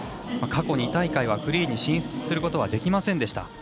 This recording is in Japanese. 過去２大会はフリーに進出することはできませんでした。